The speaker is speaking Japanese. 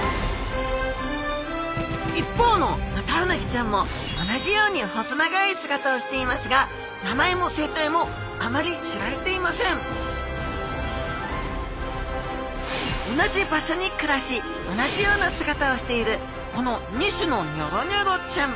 一方のヌタウナギちゃんも同じように細長い姿をしていますが名前も生態もあまり知られていません同じ場所に暮らし同じような姿をしているこの２種のニョロニョロちゃん。